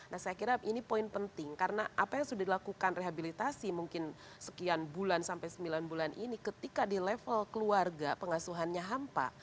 nah saya kira ini poin penting karena apa yang sudah dilakukan rehabilitasi mungkin sekian bulan sampai sembilan bulan ini ketika di level keluarga pengasuhannya hampa